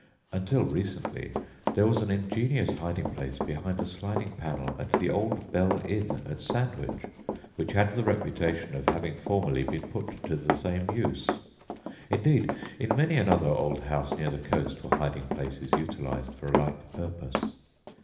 Until recently there was an ingenious hiding place behind a sliding panel at the old "Bell Inn" at Sandwich which had the reputation of having formerly been put to the same use; indeed, in many another old house near the coast were hiding places utilised for a like purpose.